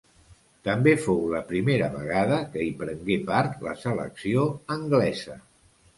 També fou la primera vegada que hi prengué part la selecció anglesa.